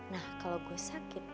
nah kalau gue sakit